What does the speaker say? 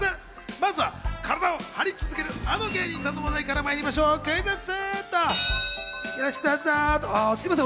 まずは体を張り続けるあの芸人さんの話題からクイズッス！